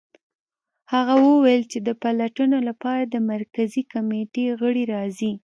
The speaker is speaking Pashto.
هغه وویل چې د پلټنو لپاره د مرکزي کمېټې غړي راځي